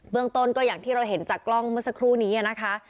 เบื้องตนอย่างที่เห็นจากกล้องเหมือนสักครูนี้นะคะ